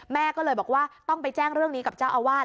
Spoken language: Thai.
แม่ก็เลยบอกว่าต้องไปแจ้งเรื่องนี้กับเจ้าอาวาส